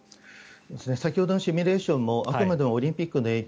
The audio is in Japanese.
先ほどのシミュレーションでもあくまでもオリンピックの影響